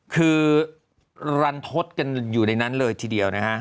คือรันทศกันอยู่ในนั้นเลยทีเดียวนะฮะ